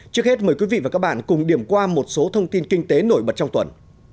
trước hết mời quý vị và các bạn cùng điểm qua một số thông tin kinh tế nổi bật trong tuần